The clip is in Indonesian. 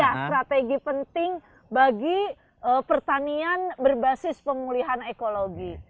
ya strategi penting bagi pertanian berbasis pemulihan ekologi